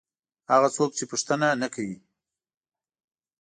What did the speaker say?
هغه څوک چې پوښتنه نه کوي.